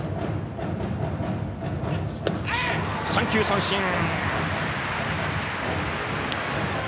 ３球三振！